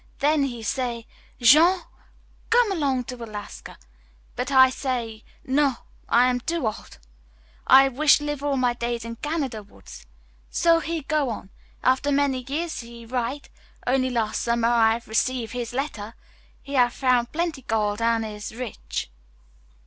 Then he say, 'Jean, come along to Alaska.' But I say, 'No. I am too ol'. I wish live all my days in Canada woods.' So he go on. After many years he write. Only last summer I have receive his letter. He have found plenty gold, an' is rich.